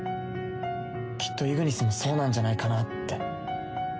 きっとイグニスもそうなんじゃないかなって。